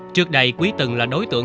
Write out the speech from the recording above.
trước đây quý từng là đối tượng